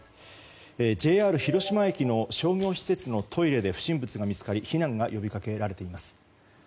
ＪＲ広島駅の商業施設のトイレで不審物が見つかり避難が呼びかけられています。